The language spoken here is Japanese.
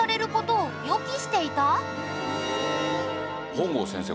本郷先生